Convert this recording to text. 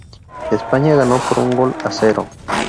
España ganó por un gol a cero.